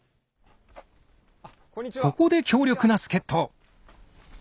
そこで強力な助っ人！